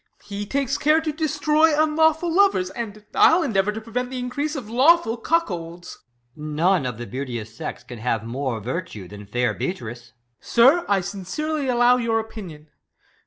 He takes care to destroy unlawful lovers ; And I'll endeavour to prevent th' increase Of lawful cuckolds. EscH. None of the beauteous sex can have more virtue. Than fair Beatrice. Ben. Sir, I sincerely allow your opinion.